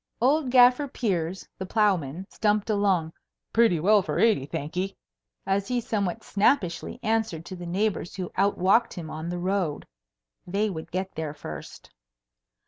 Old Gaffer Piers, the ploughman, stumped along, "pretty well for eighty, thanky," as he somewhat snappishly answered to the neighbours who out walked him on the road. They would get there first.